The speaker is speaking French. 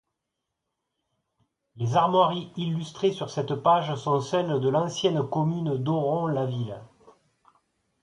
Les armoiries illustrées sur cette page sont celles de l’ancienne ocmmune d’Oron-la-Ville.